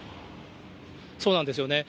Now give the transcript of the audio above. そうなんですよね。